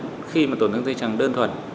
vấn đề phẫu thuật dây chẳng đơn thuần